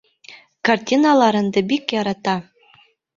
Картиналарыңды бик ярата.